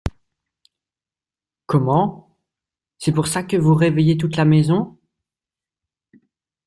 Comment ! c’est pour ça que vous réveillez toute la maison !